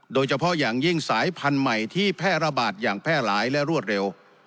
โดยเฉพาะอย่างยิ่งสายพันธุ์ใหม่ที่แพร่ระบาดอย่างแพร่หลายและรวดเร็ว